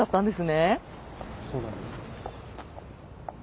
そうなんです。